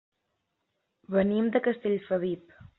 Venim de Castellfabib.